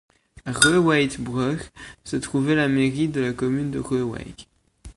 À Reeuwijk-Brug se trouvait la mairie de la commune de Reeuwijk.